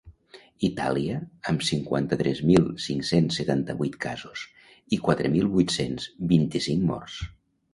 Itàlia, amb cinquanta-tres mil cinc-cents setanta-vuit casos i quatre mil vuit-cents vint-i-cinc morts.